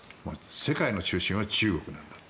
世界の中心は中国なんだと。